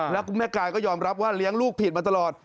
แล้วคุณแม่กายก็ยอมรับว่าเลี้ยงลูกผิดมาตลอด